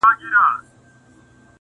د دريو مياشتو پاچهي به مي په ښه وي!!